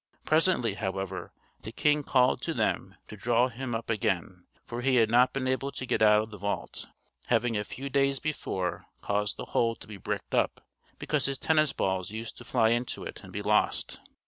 Presently, however, the king called to them to draw him up again, for he had not been able to get out of the vault, having a few days before caused the hole to be bricked up, because his tennis balls used to fly into it and be lost.